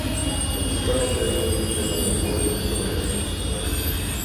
La principal actividad económica es la ganadería con rebaños trashumantes.